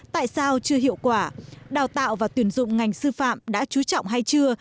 tại sao chưa hiệu quả đào tạo và tuyển dụng ngành sư phạm đã chú trọng hay chưa